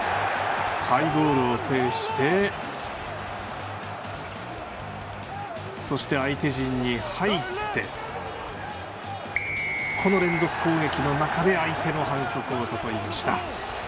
ハイボールを制してそして相手陣に入ってこの連続攻撃の中で相手の反則を誘いました。